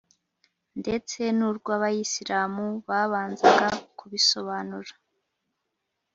ndetse n’urw’abayisilamu babanzaga kubisobanura,